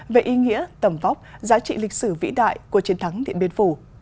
về ý nghĩa tầm vóc giá trị lịch sử vĩ đại của chiến thắng điện biên phủ